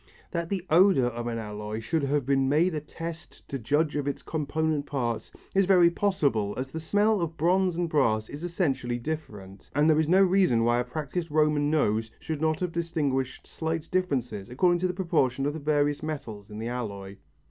That the odour of an alloy should have been made a test to judge of its component parts is very possible as the smell of bronze and brass is essentially different, and there is no reason why a practised Roman nose should not have distinguished slight differences according to the proportion of the various metals in the alloy.